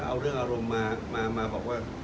เอาเรื่องอารมณ์มาบอกว่า